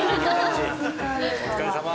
お疲れさま！